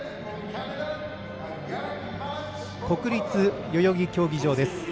国立代々木競技場です。